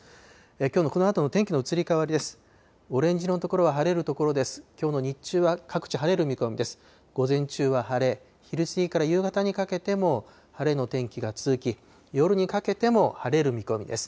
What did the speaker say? きょうのこのあとの天気の移り変わりです。